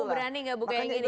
ibu berani gak buka yang ini